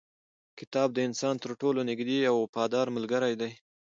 کتاب د انسان تر ټولو نږدې او وفاداره ملګری دی.